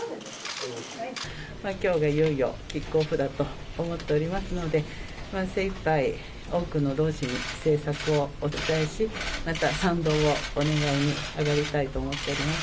きょうがいよいよキックオフだと思っておりますので、精いっぱい、多くの同志に政策をお伝えし、また賛同をお願いにあがりたいと思っております。